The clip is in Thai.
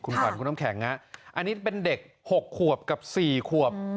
คุณขวัญคุณน้ำแข็งอันนี้เป็นเด็ก๖ขวบกับ๔ขวบ